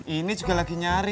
ini juga lagi nyari